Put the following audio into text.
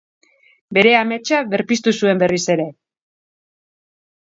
Bere ametsa berpiztu zuen berriz ere.